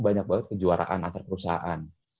banyak banget kejuaraan antar perusahaan